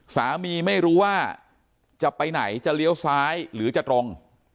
ไม่รู้ว่าจะไปไหนจะเลี้ยวซ้ายหรือจะตรง